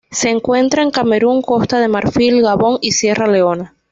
Se encuentra en Camerún Costa de Marfil, Gabón y Sierra Leona.